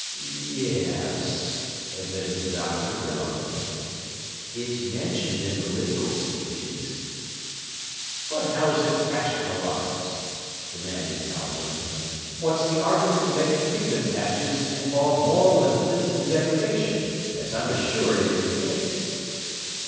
"Yes s s s," admitted the doctor reluctantly. "It's mentioned in political speeches." "But how's it rationalized?" demanded Calhoun. "What's the argument to make pigment patches involve moral and physical degradation, as I'm assured is the case?"